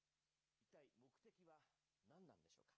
一体、目的は何なんでしょうか。